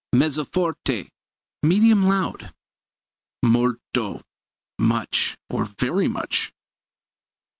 Mezzo forte medium loud. Molto much, or very much.